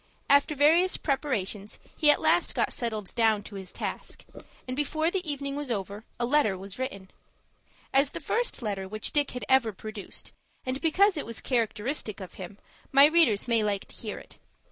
After various preparations, he at last got settled down to his task, and, before the evening was over, a letter was written. As the first letter which Dick had ever produced, and because it was characteristic of him, my readers may like to read it.